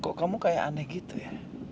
kok kamu kayak aneh gitu ya